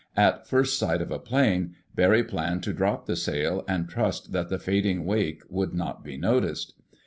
At first sight of a plane, Barry planned to drop the sail, and trust that the fading wake would not be noticed.